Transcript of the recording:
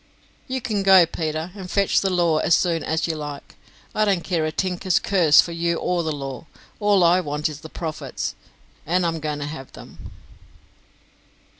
"You can go, Peter, and fetch the law as soon as you like. I don't care a tinker's curse for you or the law; all I want is the profits, and I'm going to have them."